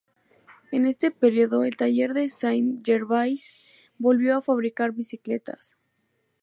En este período el taller de Saint Gervais volvió a fabricar bicicletas.